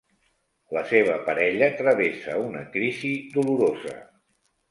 La seva parella travessa una crisi dolorosa.